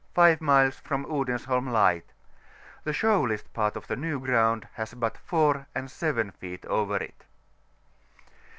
5 miles from Odensholm light. The shoalest part of the Ny Ground has but 4 and 7 feet over it.